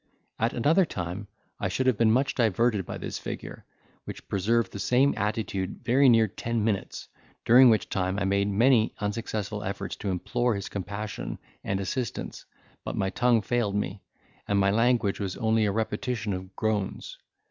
At another time I should have been much diverted by this figure, which preserved the same attitude very near ten minutes, during which time I made many unsuccessful efforts to implore his compassion and assistance; but my tongue failed me, and my language was only a repetition of groans.